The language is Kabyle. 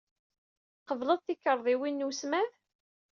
Tqebbleḍ tikarḍiwin n wesmad?